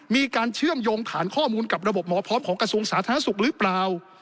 มีการเชื่อมโยงฐานข้อมูลกับระบบหมอพร้อมของกระทรวงสาธารณสุขหรือเปล่า